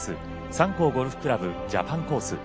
三甲ゴルフ倶楽部ジャパンコース。